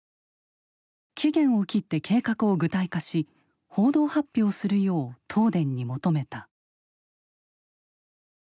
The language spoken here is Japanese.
期限を切って計画を具体化し報道発表するよう東電に求めた。